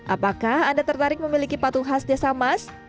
apakah anda tertarik memiliki patung khas desa mas